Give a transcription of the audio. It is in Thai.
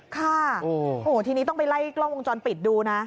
ค่ะโอ้โหทีนี้ต้องไปไล่กล้องวงจรปิดดูนะ